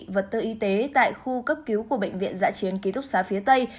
vật tư y tế tại khu cấp cứu của bệnh viện giã chiến ký thúc xá phía tây